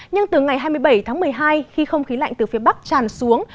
nhưng từ ngày hai mươi bảy tháng một mươi hai khi không khí lạnh từ phía bắc tràn xuống